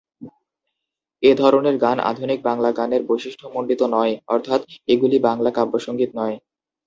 এ ধরনের গান আধুনিক বাংলা গানের বৈশিষ্ট্যমন্ডিত নয়, অর্থাৎ এগুলি বাংলা কাব্যসঙ্গীত নয়।